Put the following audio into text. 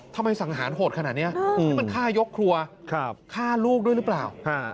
ทำไมสังหารโหดขนาดนี้นี่มันฆ่ายกครัวฆ่าลูกด้วยหรือเปล่า